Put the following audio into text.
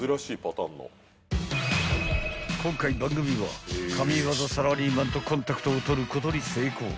［今回番組は神ワザサラリーマンとコンタクトを取ることに成功］